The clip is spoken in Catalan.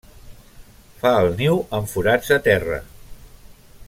Fa el niu en forats a terra.